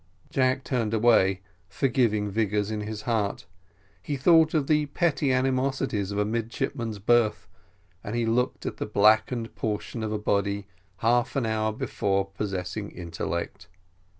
Jack turned away, forgiving Vigors in his heart, he thought of the petty animosities of a midshipman's berth, as he looked at the blackened portion of a body, half an hour before possessing intellect.